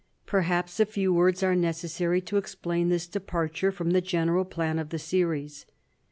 Perhaps a few words are necessary to explain this departure from the general plan of the series.